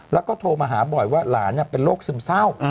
แล้วก็โทรมาหาบ่อยว่าหลานเป็นโรคซึมเศร้า